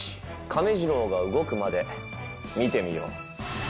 亀治郎が動くまで見てみよう。